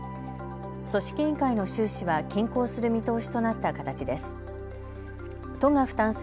組織委員会の収支は均衡する見通しとなった形です。